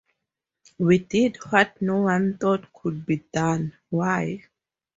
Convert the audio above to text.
We did what no one thought could be done. Why?